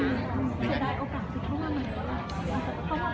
เกิดได้โอกาสที่เข้ามา